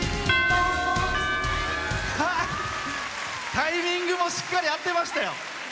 タイミングもしっかり合っていましたよ。